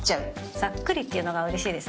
ざっくりっていうのがうれしいですね。